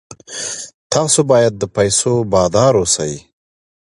تاسو باید د پیسو بادار اوسئ.